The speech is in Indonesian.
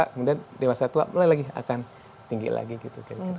kemudian dewasa tua mulai lagi akan tinggi lagi gitu